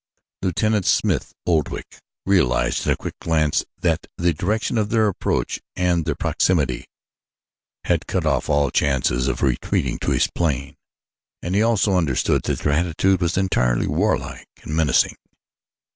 Lieutenant Smith Oldwick realized in a quick glance that the direction of their approach and their proximity had cut off all chances of retreating to his plane, and he also understood that their attitude was entirely warlike and menacing.